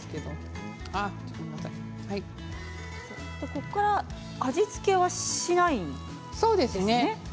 ここから味付けはしないんですね。